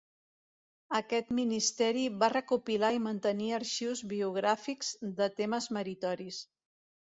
Aquest ministeri va recopilar i mantenir arxius biogràfics de temes meritoris.